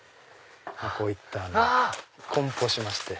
こういった梱包しまして。